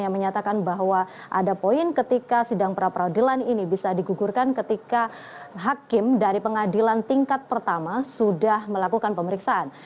yang menyatakan bahwa ada poin ketika sidang pra peradilan ini bisa digugurkan ketika hakim dari pengadilan tingkat pertama sudah melakukan pemeriksaan